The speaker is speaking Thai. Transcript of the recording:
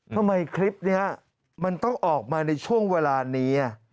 ทำไมคลิปนี้มันต้องออกมาในช่วงเวลานี้